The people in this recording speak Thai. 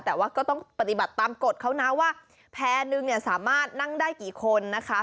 แต่ว่าก็ต้องปฏิบัติตามกฎเขานะว่าแพร่นึงเนี่ยสามารถนั่งได้กี่คนนะคะ